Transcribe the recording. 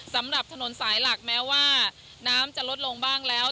สำหรับถนนสายหลักแม้ว่าน้ำจะลดลงบ้างแล้ว